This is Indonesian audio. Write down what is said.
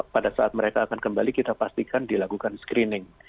pada saat mereka akan kembali kita pastikan dilakukan screening